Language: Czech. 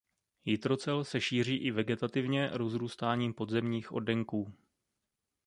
Jitrocel se šíří i vegetativně rozrůstáním podzemních oddenků.